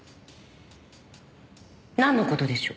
なんの事でしょう？